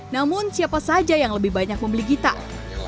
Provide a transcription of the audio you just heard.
namun siapa saja yang lebih banyak membeli gitar